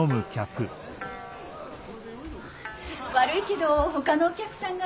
悪いけどほかのお客さんが。